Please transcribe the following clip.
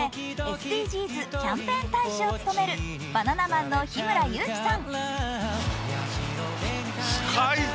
ＳＤＧｓキャンペーン大使を務めるバナナマンの日村勇紀さん。